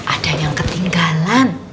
ada yang ketinggalan